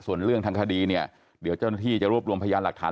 ส่วนเรื่องทางคดีเนี่ยเดี๋ยวเจ้าหน้าที่จะรวบรวมพยานหลักฐาน